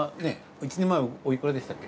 １年前おいくらでしたっけ？